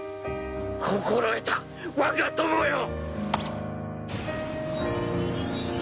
心得た我が友よ！